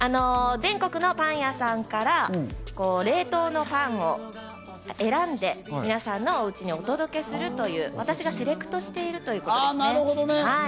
全国のパン屋さんから冷凍のパンを選んで、皆さんの家にお届けするという、私がセレクトしているというものですね。